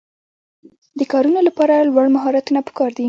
د کارونو لپاره لوړ مهارتونه پکار دي.